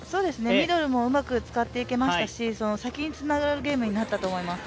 ミドルも多く使っていきましたし、先につながるゲームになったと思います。